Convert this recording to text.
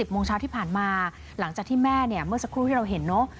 โมงเช้าที่ผ่านมาหลังจากที่แม่เนี่ยเมื่อสักครู่ที่เราเห็นเนอะ